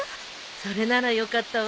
それならよかったわ。